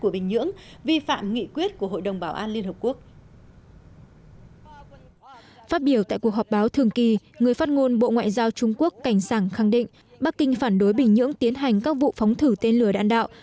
bắc kinh phản đối bình nhưỡng tiến hành các vụ phóng thử tên lửa đạn đạo